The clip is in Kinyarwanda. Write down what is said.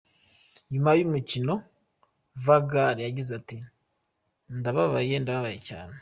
Nyuma y’umukino, Van Gaal yagize ati: "Ndababaye, ndababaye cyane.